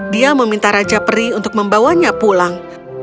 dia meminta raja peri untuk membawanya pulang